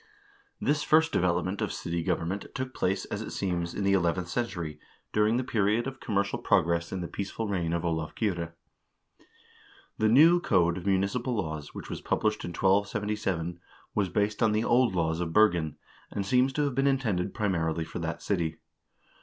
1 This first development of city government took place, as it seems, in the eleventh century during the period of com mercial progress in the peaceful reign of Olav Kyrre. The new code of municipal laws, which was published in 1277, was based on the old laws of Bergen, and seems to have been intended primarily for that city.